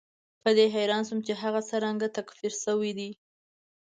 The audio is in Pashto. په دې حیران شوم چې هغه څرنګه تکفیر شوی دی.